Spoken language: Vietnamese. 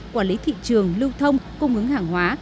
quản lý thị trường lưu thông cung ứng hàng hóa